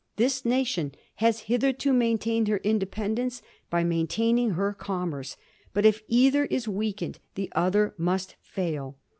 ... This nation has hitherto maintained her independence by main taining her commerce ; but if either is weakened the other must fail.